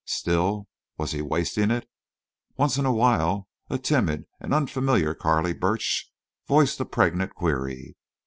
Still was he wasting it? Once in a while a timid and unfamiliar Carley Burch voiced a pregnant query.